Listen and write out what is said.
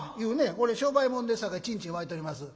これ商売物ですさかいちんちん沸いております」。